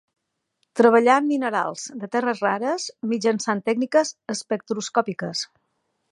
Treballà en minerals de terres rares, mitjançant tècniques espectroscòpiques.